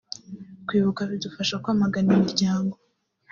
Kwibuka bidufasha kwamagana imiryango